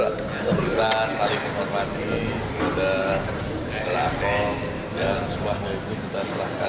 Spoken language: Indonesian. kita selalu menghormati pada setelah akom dan semuanya itu kita selahkan